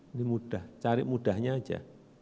ini mudah cari mudahnya aja